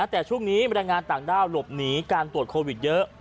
แต่ช่วงนี้บรรยายงานต่างด้าวหลบหนีการตรวจโควิดเยอะ